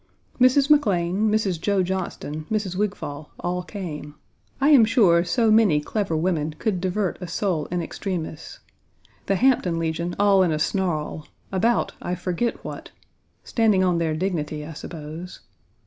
Mrs. McLane, Mrs. Joe Johnston, Mrs. Wigfall, all came. I am sure so many clever women could divert a soul in extremis. The Hampton Legion all in a snarl about, I forget what; standing on their dignity, I suppose.